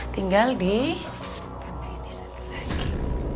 tinggal ditambahin satu lagi